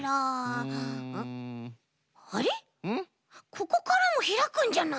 ここからもひらくんじゃない？